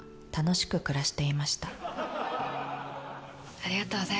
ありがとうございます。